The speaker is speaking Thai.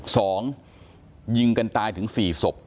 สองยิงกันตายถึงสี่ศพ